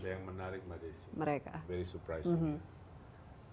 yang menarik pada isu mereka